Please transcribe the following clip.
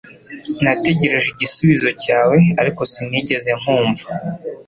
Nategereje igisubizo cyawe ariko sinigeze nkumva